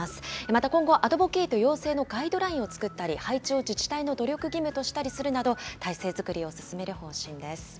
また今後、アドボケイト養成のガイドラインを作ったり、配置を自治体の努力義務としたりするなど、体制作りを進める方針です。